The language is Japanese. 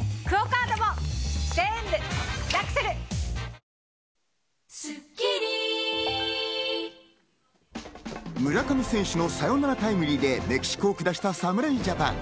三菱電機村上選手のサヨナラタイムリーでメキシコを下した侍ジャパン。